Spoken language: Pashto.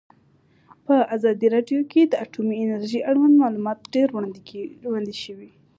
په ازادي راډیو کې د اټومي انرژي اړوند معلومات ډېر وړاندې شوي.